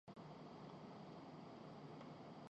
‘‘''تو آپ اس قسم کا سوال مجھ سے کیوں کر رہے ہیں؟